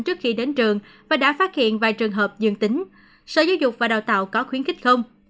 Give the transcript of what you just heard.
trước khi đến trường và đã phát hiện vài trường hợp dương tính sở giáo dục và đào tạo có khuyến khích không